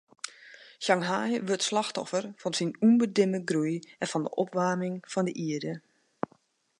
Shanghai wurdt slachtoffer fan syn ûnbedimme groei en fan de opwaarming fan de ierde.